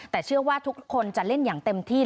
แต่เชื่อว่าทุกคนจะเล่นอย่างเต็มที่